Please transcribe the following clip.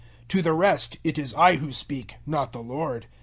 007:012 To the rest it is I who speak not the Lord.